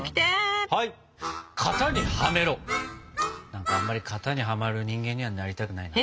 何かあんまり型にはまる人間にはなりたくないな。